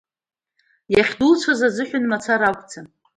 Иахьдуцәаз азыҳәан мацара акәӡам.